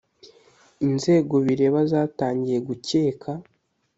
inzego bireba zatangiye gucyeka